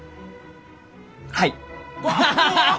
はい。